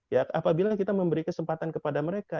ya apabila kita memberi kesempatan kepada mereka